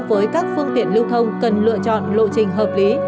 với các phương tiện lưu thông cần lựa chọn lộ trình hợp lý